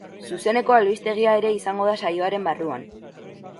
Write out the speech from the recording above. Zuzeneko albistegia ere izango da saioaren barruan.